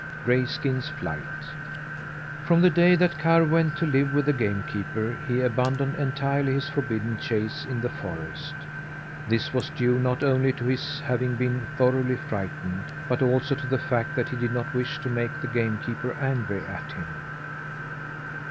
GRAYSKIN'S FLIGHT From the day that Karr went to live with the game keeper he abandoned entirely his forbidden chase in the forest. This was due not only to his having been thoroughly frightened, but also to the fact that he did not wish to make the game keeper angry at him.